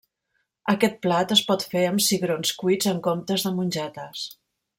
Aquest plat es pot fer amb cigrons cuits en comptes de mongetes.